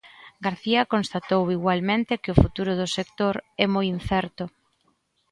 García constatou igualmente que o futuro do sector é "moi incerto".